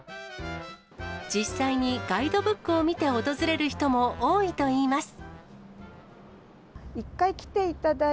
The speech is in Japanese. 実際にガイドブックを見て訪れる人も多いといいます。